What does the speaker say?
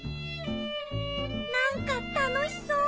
なんかたのしそう！